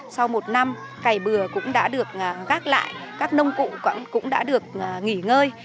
sau một năm cày bừa cũng đã được gác lại các nông cụ cũng đã được nghỉ ngơi